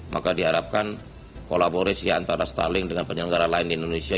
maka diharapkan kolaborasi antara starling dengan penyelenggara lain di indonesia